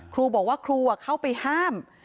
ครูบอกว่าครูเข้าไปห้าม